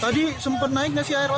tadi sempat naik nggak sih airnya